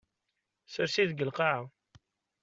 Sers-it deg lqaɛa.